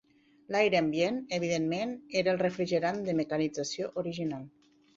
L'aire ambient, evidentment, era el refrigerant de mecanització original.